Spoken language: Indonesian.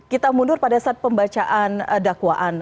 kita mundur pada saat pembacaan dakwaan